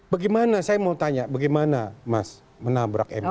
bagaimana saya mau tanya bagaimana mas menabrak m k